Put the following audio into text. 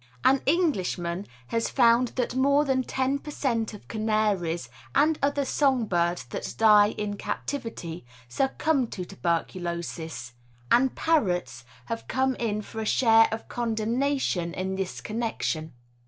An Englishman has found that more than ten per cent. of canaries and other song birds that die in captivity succumb to tuberculosis, and parrots have come in for a share of condemnation in this connection.